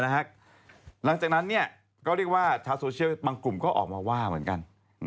หลังจากนั้นก็เรียกว่าชาวโซเชียลบางกลุ่มก็ออกมาว่าเหมือนกัน